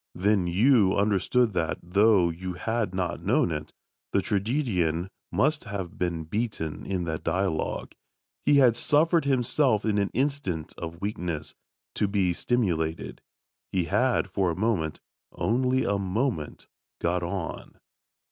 Then you understood that, though you had not known it, the tragedian must have been beaten in that dialogue. He had suffered himself in an instant of weakness, to be stimulated; he had for a moment only a moment got on.